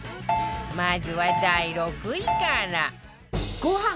まずは第６位から